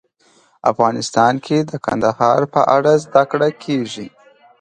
افغانستان کې د کندهار په اړه زده کړه کېږي.